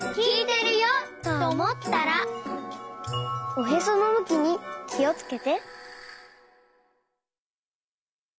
おへそのむきにきをつけて。